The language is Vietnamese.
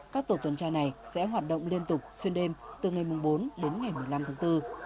các tổ tuần tra này sẽ hoạt động liên tục xuyên đêm từ ngày bốn đến ngày một mươi năm tháng bốn